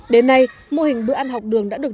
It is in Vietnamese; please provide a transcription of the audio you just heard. đến nay mô hình bữa ăn học đường đã được